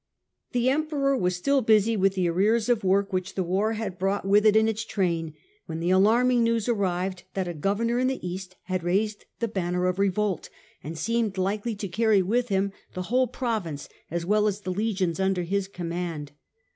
The Emperor was still busy with the arrears of work which the war had brought with it in its train, when the alarming news arrived that a governor in the ^ East had raised the banner of revolt, and ofAvidius seemed likely to carry with him the whole province as well as the legions under his command.